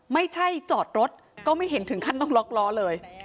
ไม่ใช่จอดรถก็ไม่เห็นถึงขั้นต้องล็อกล้อเลย